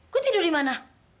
gua tidur di mana